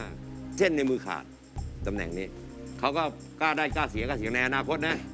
เขาก็กล้าได้กล้าเสียกล้าเสียในอนาคตนะ